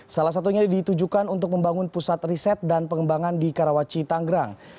salah satunya ditujukan untuk membangun pusat riset dan pengembangan di karawaci tanggerang